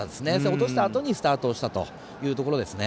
落としたあとにスタートをしたというところですね。